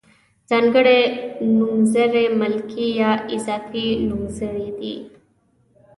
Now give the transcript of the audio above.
ځانګړي نومځري ملکي یا اضافي نومځري دي.